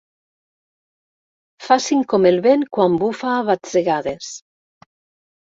Facin com el vent quan bufa a batzegades.